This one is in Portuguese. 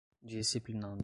disciplinando